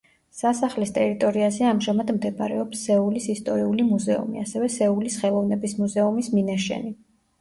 სასახლის ტერიტორიაზე ამჟამად მდებარეობს სეულის ისტორიული მუზეუმი, ასევე სეულის ხელოვნების მუზეუმის მინაშენი.